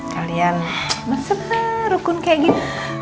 kalian bersenang rukun kayak gini